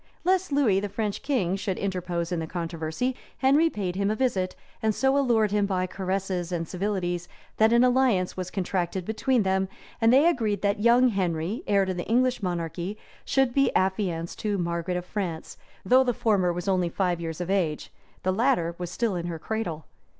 Lest Lewis, the French king, should interpose in the controversy, Henry paid him a visit; and so allured him by caresses and civilities, that an alliance was contracted between them; and they agreed that young Henry, heir to the English monarchy, should be affianced to Margaret of France, though the former was only five years of age; the latter was still in her cradle.